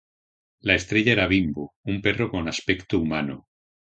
La estrella era Bimbo, un perro con aspecto humano.